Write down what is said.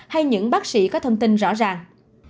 hay những bác sĩ có thông tin rõ ràng